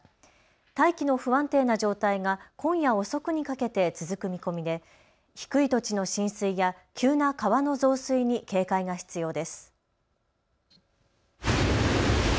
大気の不安定な状態が今夜遅くにかけて続く見込みで低い土地の浸水や急な川の増水に警戒が必要です。